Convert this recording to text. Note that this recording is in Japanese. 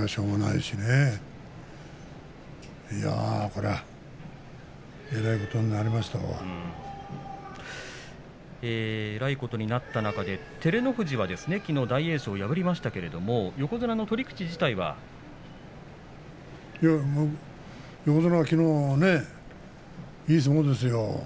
いやこれはえらいことになった中で照ノ富士はきのう大栄翔を破りましたけれども横綱はきのういい相撲ですよ。